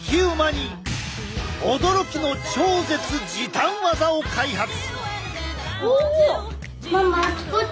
驚きの超絶時短技を開発！